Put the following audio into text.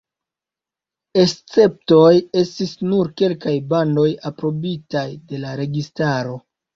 Esceptoj estis nur kelkaj bandoj aprobitaj de la registaro.